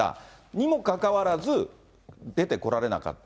にもかかわらず、出てこられなかった。